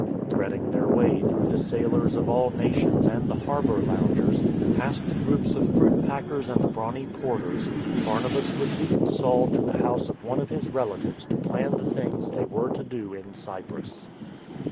Threading their way through the sailors of all nations and the harbour loungers, past the groups of fruit packers and the brawny porters, Barna bas would lead Saul to the house of one of his relatives to plan the things they were to do in Cyprus.